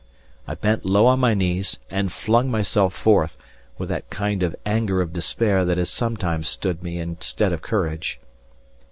I bent low on my knees and flung myself forth, with that kind of anger of despair that has sometimes stood me in stead of courage.